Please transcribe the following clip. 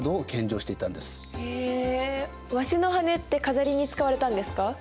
へえワシの羽根って飾りに使われたんですか？